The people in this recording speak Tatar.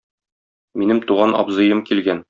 Минем туган абзыем килгән.